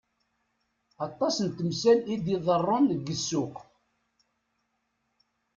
Aṭas n temsal i d-iḍerrun deg ssuq.